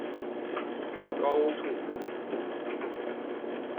高翥人。